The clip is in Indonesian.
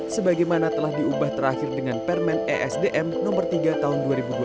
sebagaimana telah diubah terakhir dengan permen esdm nomor tiga tahun dua ribu dua puluh